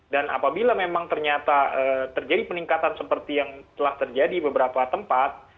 dan apabila memang ternyata terjadi peningkatan seperti yang telah terjadi beberapa tempat